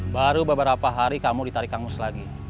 baru beberapa hari kamu ditarik kamus lagi